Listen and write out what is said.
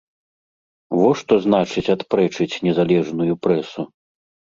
Во што значыць адпрэчыць незалежную прэсу!